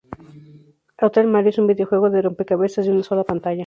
Hotel Mario es un videojuego de rompecabezas de una sola pantalla.